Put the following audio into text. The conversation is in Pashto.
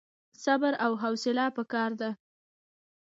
صبر او حوصله پکار ده